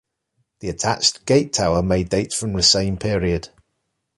The attached gate tower may date from the same period.